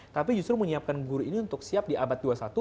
tapi justru menyiapkan guru ini untuk siap di abad dua puluh satu